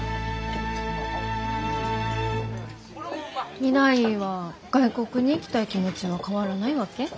未来は外国に行きたい気持ちは変わらないわけ？